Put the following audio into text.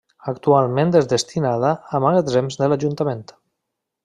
Actualment és destinada a magatzems de l'ajuntament.